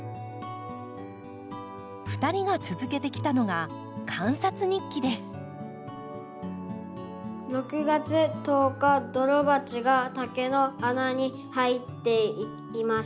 ２人が続けてきたのが「六月十日ドロバチが竹の穴に入っていきました。